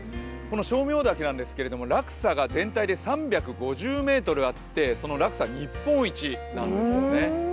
称名滝なんですけど、落差が全体で３５０ｍあってその落差日本一なんですよね。